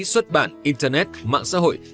xuất bản internet mạng xã hội